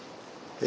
え